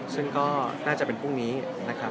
ซึ่งก็น่าจะเป็นพรุ่งนี้นะครับ